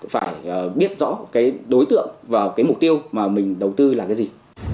phải biết rõ cái đối tượng và cái mục tiêu mà mình đầu tư là cái gì